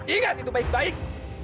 ingat itu baik baik